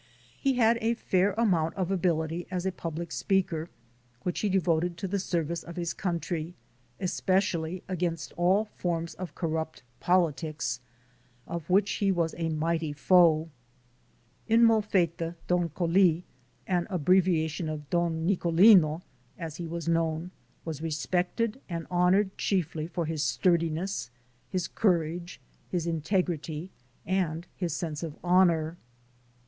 He had a fair amount of ability as a public speaker, which he devoted to the service of his country, especially against all 14 THE SOUL OF AN IMMIGRANT forms of corrupt politics, of which he was a mighty foe. In Molfetta, Don Coli (an abbreviation of Don Nicolino) as he was known, was respected and honored chiefly for his sturdiness, his courage, his integrity and his sense of honor.